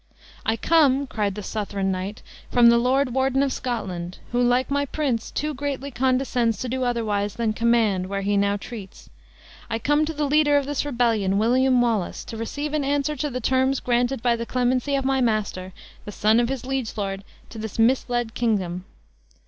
"I come," cried the Southron knight, "from the lord warden of Scotland, who, like my prince, too greatly condescends to do otherwise than command, where now he treats; I come to the leader of this rebellion, William Wallace, to receive an answer to the terms granted by the clemency of my master, the son of his liege lord, to this misled kingdom."